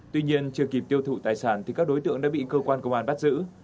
tuy nhiên chưa kịp tiêu thụ tài sản thì các đối tượng đã bị cơ quan công an bắt giữ